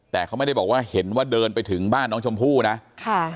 แต่เขาไม่ได้บอกว่าเห็นว่าเดินไปถึงบ้านน้องชมพู่นะค่ะ